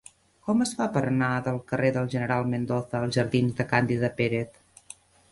Com es fa per anar del carrer del General Mendoza als jardins de Càndida Pérez?